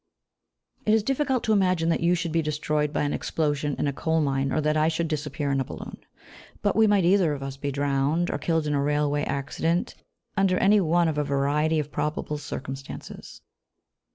It is difficult to imagine that you should be destroyed by an explosion in a coal mine, or that I should disappear in a balloon; but we might either of us be drowned, or killed in a railway accident, under any one of a variety of probable circumstances.